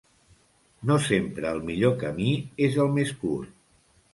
No sempre el millor camí és el més curt.